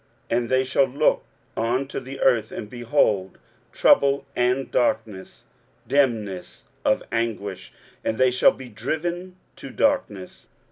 23:008:022 And they shall look unto the earth; and behold trouble and darkness, dimness of anguish; and they shall be driven to darkness.